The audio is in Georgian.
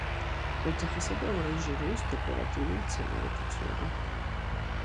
ოთახისა და ორანჟერეის დეკორატიული მცენარედ ითვლება.